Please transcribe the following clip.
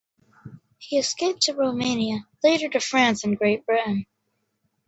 He escaped to Romania, later to France and Great Britain.